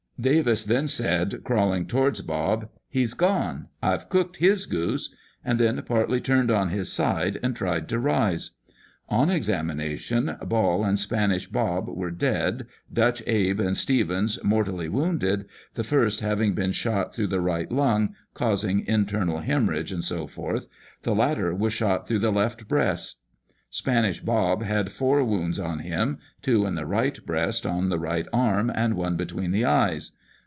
Davis then said, crawling towards Bob, 'He's gone; I've cooked his goose,' and then partly turned on his side, and tried to rise. On examination, Ball and Spanish Bob were dead, Dutch Abe and Stevens mortally wounded, the first having been shot through the right lung, causing internal haem orrhage, &e., the latter was shot through the left breast. Spanish Bob had four wounds on him, two in the right breast, on the right arm, and one between the eyes.